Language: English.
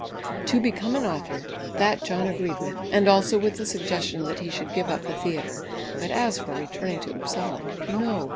To become an author, that John agreed with, and also with the suggestion that he should give up the theatre; but as for returning to Upsala, no!